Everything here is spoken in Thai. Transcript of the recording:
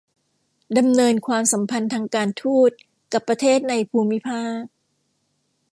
ดำเนินความสัมพันธ์ทางการทูตกับประเทศในภูมิภาค